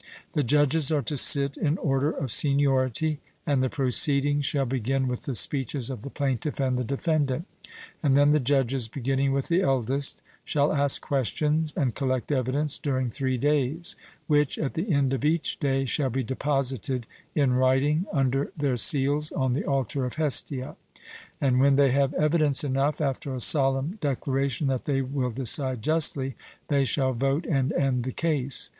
The judges are to sit in order of seniority, and the proceedings shall begin with the speeches of the plaintiff and the defendant; and then the judges, beginning with the eldest, shall ask questions and collect evidence during three days, which, at the end of each day, shall be deposited in writing under their seals on the altar of Hestia; and when they have evidence enough, after a solemn declaration that they will decide justly, they shall vote and end the case.